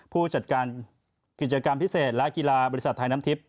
ผู้จัดการกิจกรรมพิเศษและกีฬาบริษัทไทยน้ำทิพย